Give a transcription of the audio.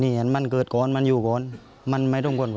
เอาอันครับด่วนมาแล้วอันค้าใช่ไหมครับ